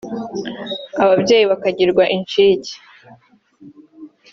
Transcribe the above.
ababyeyi bakagirwa incike